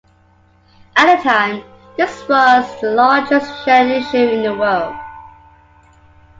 At the time, this was the largest share issue in the world.